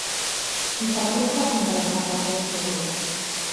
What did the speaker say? Mi s-a părut foarte interesant acest lucru.